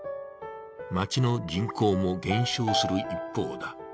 町の人口も減少する一方だ。